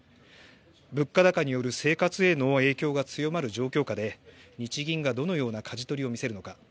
物価高による生活への影響が強まる状況下で日銀がどのようなかじ取りを見せるのか